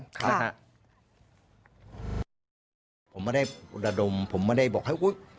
ผมไม่ได้บุรดดมผมไม่ได้บอกให้